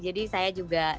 jadi saya juga